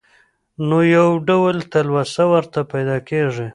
نو يو ډول تلوسه ورته پېدا کيږي.